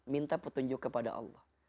minta petunjuk kepada allah